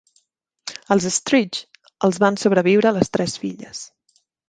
Als Estridge els van sobreviure les tres filles.